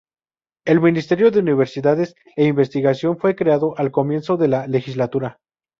El Ministerio de Universidades e Investigación fue creado al comienzo de la legislatura.